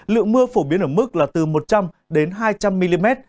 lượng mưa phổ biến ở mức là từ một trăm linh đến hai trăm linh mm